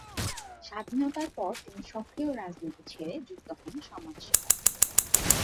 স্বাধীনতার পর তিনি সক্রিয় রাজনীতি ছেড়ে যুক্ত হন সমাজসেবায়।